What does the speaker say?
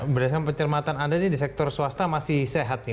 berdasarkan pencermatan anda ini di sektor swasta masih sehat nih